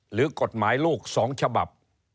หรือกฎหมายลูก๒ฉบับ